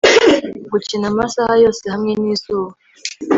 gukina amasaha yose hamwe n'izuba